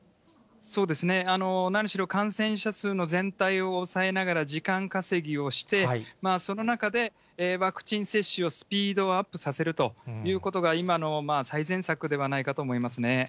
そうですね、何しろ感染者数の全体を抑えながら時間稼ぎをして、その中でワクチン接種をスピードアップさせるということが、今の最善策ではないかと思いますね。